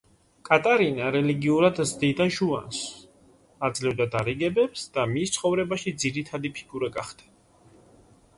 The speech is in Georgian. კატარინა რელიგიურად ზრდიდა ჟუანს, აძლევდა დარიგებებს და მის ცხოვრებაში ძირითადი ფიგურა გახდა.